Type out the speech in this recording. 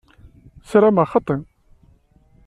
Sarameɣ xaṭi.